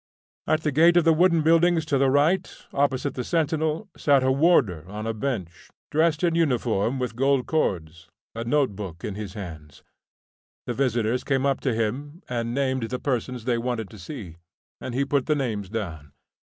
At the gate of the wooden buildings, to the right, opposite the sentinel, sat a warder on a bench, dressed in uniform, with gold cords, a notebook in his hands. The visitors came up to him, and named the persons they wanted to see, and he put the names down.